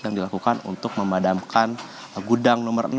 yang dilakukan untuk memadamkan gudang nomor enam